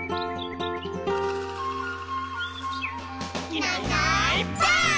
「いないいないばあっ！」